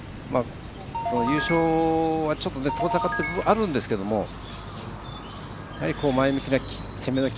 優勝は、ちょっと遠ざかってる部分はあるんですけど前向きな攻めの姿勢。